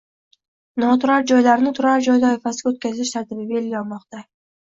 Noturar joylarni turar joy toifasiga o‘tkazish tartibi belgilanmoqda